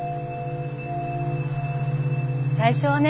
最初はね